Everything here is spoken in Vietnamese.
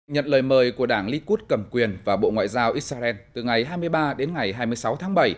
nhận lời mời của đảng likud cầm quyền và bộ ngoại giao israel từ ngày hai mươi ba đến ngày hai mươi sáu tháng bảy